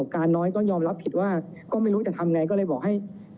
เรามีการปิดบันทึกจับกลุ่มเขาหรือหลังเกิดเหตุแล้วเนี่ย